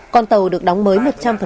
con tàu được đóng mới một trăm linh